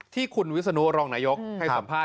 ที่คุณวิศนุรองนายกให้สัมภาษณ